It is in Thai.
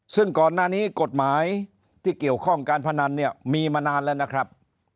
ซึ่งก่อนหน้านี้กฎหมายที่เกี่ยวข้องการพนันเนี่ยมีมานานแล้วนะครับ